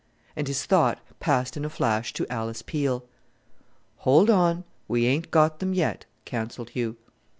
And his thought passed in a flash to Alice Peel. "Hold on! we ain't got them yet," counselled Hugh.